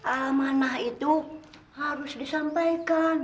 amanah itu harus disampaikan